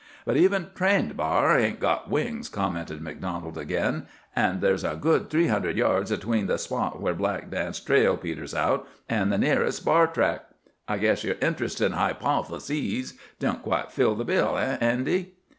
"But even trained b'ar hain't got wings," commented MacDonald again. "An' there's a good three hundred yards atween the spot where Black Dan's trail peters out an' the nearest b'ar track. I guess yer interestin' hipotheesis don't quite fill the bill—eh, Andy?"